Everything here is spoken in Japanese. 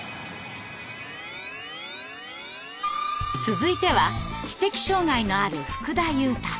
続いては知的障害のある福田悠太さん。